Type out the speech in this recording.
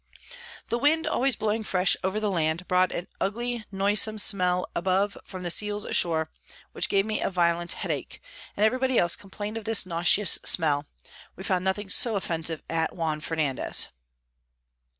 The Wind always blowing fresh over the Land, brought an ugly noisom Smell aboard from the Seals ashore; which gave me a violent Head Ach, and every body else complain'd of this nauseous Smell; we found nothing so offensive at Juan Fernandez.